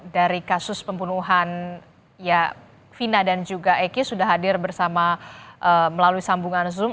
dari kasus pembunuhan ya vina dan juga eki sudah hadir bersama melalui sambungan zoom